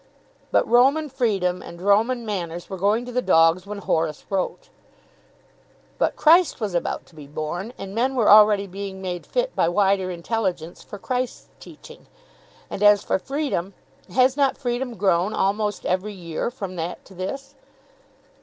"But Roman freedom and Roman manners were going to the dogs when Horace wrote." "But Christ was about to be born, and men were already being made fit by wider intelligence for Christ's teaching. And as for freedom, has not freedom grown, almost every year, from that to this?"